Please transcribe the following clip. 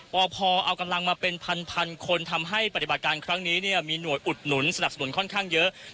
พอเอากำลังมาเป็นพันคนทำให้ปฏิบัติการครั้งนี้มีหน่วยอุดหนุนสนับสนุนค่อนข้างเยอะ